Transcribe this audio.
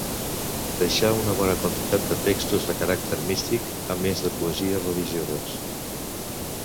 Deixà una bona quantitat de textos de caràcter místic, a més de poesies religioses.